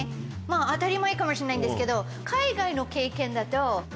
当たり前かもしれないんですけど。